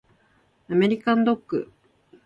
アメリカンドッグ